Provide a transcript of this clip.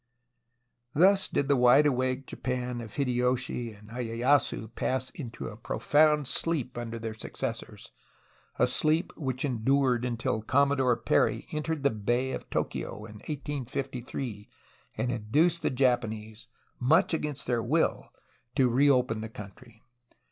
'* Thus did the wide awake Japan of Hideyoshi and lyeyasu pass into a profound sleep under their successors, a sleep which endured until Commodore Perry entered the Bay of Tokio in 1853, and induced the Japanese, much against their will, to reopen the country.